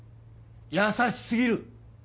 優しすぎる。